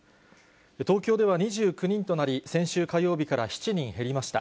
東京では２９人となり、先週火曜日から７人減りました。